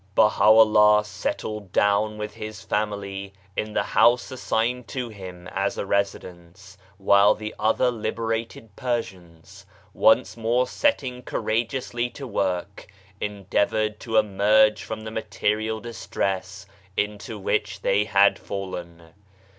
Baha'u'Uah settled down with his family in the house assigned to him as a residence, while the other liberated Per sians, once more setting courageously to work, endeavoured to emerge from the material distress into which they had fallen